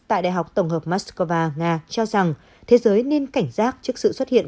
của tổng hợp moscow và nga cho rằng thế giới nên cảnh giác trước sự xuất hiện